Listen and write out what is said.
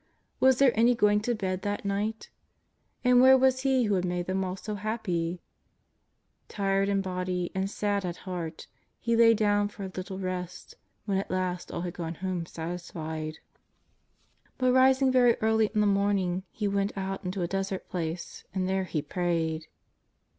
Was there any going to bed that night ? And where was He who had made them all so happy ? Tired in body and sad at heart. He lay dowTi for a little rest when at last all had gone home satisfied. But, rising very early in the morning, He went out into a des ert place and there He prayed.